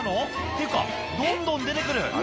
っていうかどんどん出て来る」